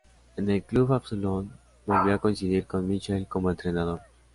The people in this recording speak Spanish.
En el club azulón volvió a coincidir con Míchel como entrenador.